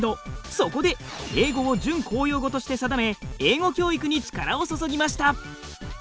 そこで英語を準公用語として定め英語教育に力を注ぎました。